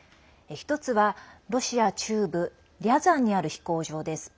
１つは、ロシア中部リャザンにある飛行場です。